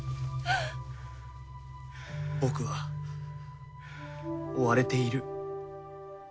僕は追われている。